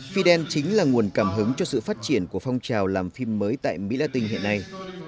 fidel chính là nguồn cảm hứng cho sự phát triển của phong trào làm phim mới tại mỹ latin hiện nay